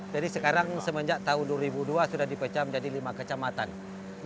jadi sekarang semenjak tahun dua ribu dua sudah dipecam jadi lima kecamatan